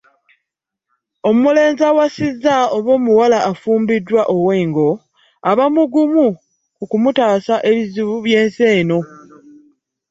Omulenzi awasizza oba muwala afumbiddwa ow'Engo, aba mugumu ku kumutaasa mu bizibu by’ensi eno.